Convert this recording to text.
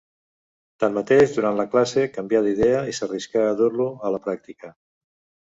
Tanmateix durant la classe canvià d'idea i s'arriscà a dur-lo a la pràctica.